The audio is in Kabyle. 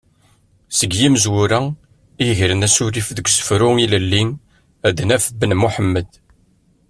Seg yimezwura i yegren asurif deg usefru ilelli ad naf Ben Muḥemmed.